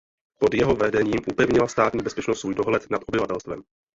Pod jeho vedením upevnila státní bezpečnost svůj dohled nad obyvatelstvem.